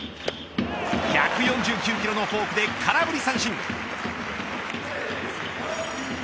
１４９キロのフォークで空振り三振。